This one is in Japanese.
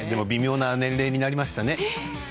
微妙な年齢になりましたね。